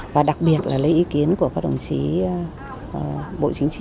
và đặc biệt là lấy ý kiến của các đồng chí bộ chính trị